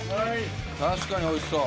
確かにおいしそう。